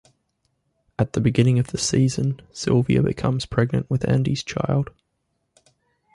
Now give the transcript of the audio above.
At the beginning of the season, Sylvia becomes pregnant with Andy's child.